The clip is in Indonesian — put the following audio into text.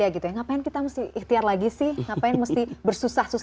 kita harus mengetahui